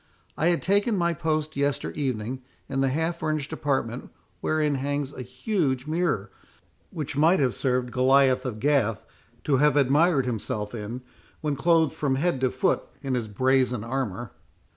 I had taken my post yester evening in the half furnished apartment, wherein hangs a huge mirror, which might have served Goliath of Gath to have admired himself in, when clothed from head to foot in his brazen armour.